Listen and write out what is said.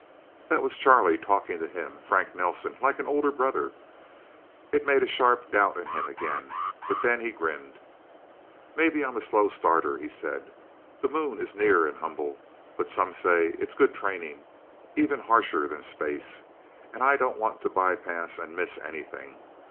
That was Charlie, talking to him Frank Nelsen like an older brother. It made a sharp doubt in him, again. But then he grinned. "Maybe I am a slow starter," he said. "The Moon is near and humble, but some say it's good training even harsher than space. And I don't want to bypass and miss anything.